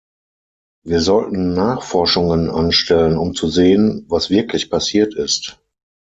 Wir sollten Nachforschungen anstellen, um zu sehen, was wirklich passiert ist.